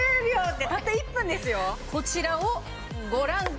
こちらをご覧ください！